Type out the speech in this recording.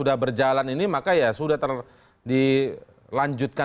dari kami pkb termasuk